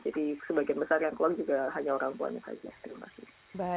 jadi sebagian besar yang keluar juga hanya orang tua